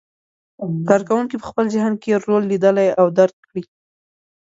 کار کوونکي په خپل ذهن کې رول لیدلی او درک کړی.